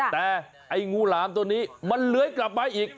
แต่ไอ้งูหลามตัวนี้มันเลื้อยกลับมาอีก